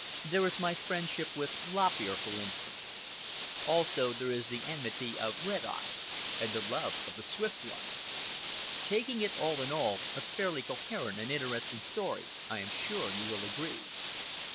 There is my friendship with Lop Ear, for instance. Also, there is the enmity of Red Eye, and the love of the Swift One. Taking it all in all, a fairly coherent and interesting story I am sure you will agree.